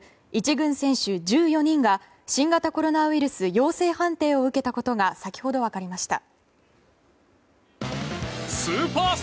１軍選手１４人が新型コロナウイルス陽性判定を受けたことが先ほど分かりました。